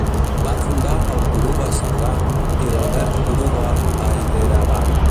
Va fundar el "Kuruba Sangham" i l'alberg Kuruba a Hyderabad.